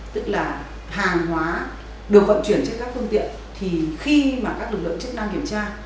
tức là hàng hóa được vận chuyển trên các phương tiện thì khi mà các lực lượng chức năng kiểm tra